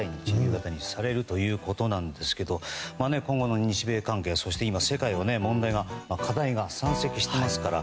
夕方にされるということですが今後の日米関係そして、今、世界は問題が山積していますから